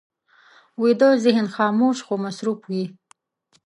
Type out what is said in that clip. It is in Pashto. ویده ذهن خاموش خو مصروف وي